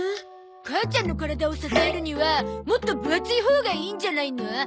母ちゃんの体を支えるにはもっと分厚いほうがいいんじゃないの？